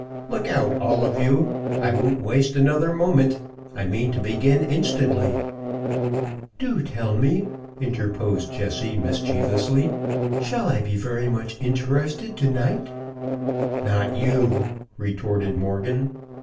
Look out, all of you! I won't waste another moment. I mean to begin instantly." "Do tell me," interposed Jessie, mischievously, "shall I be very much interested to night'?' "Not you!" retorted Morgan.